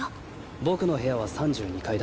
僕の部屋は３２階だ。